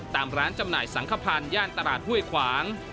ตามร้านจำหน่ายสังขพันธ์ย่านตลาดห้วยขวาง